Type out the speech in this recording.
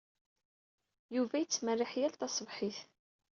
Yuba yettmerriḥ yal taṣebḥit.